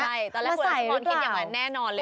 มาใส่หรือเปล่าตอนแรกคุณลักษณ์คิดอย่างแน่นอนเลย